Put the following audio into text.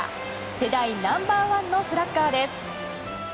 世代ナンバーワンのスラッガーです。